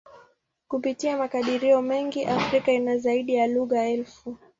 Kupitia makadirio mengi, Afrika ina zaidi ya lugha elfu.